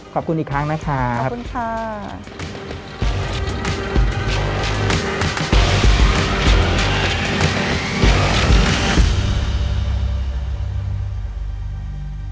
ขอบคุณอีกครั้งนะครับ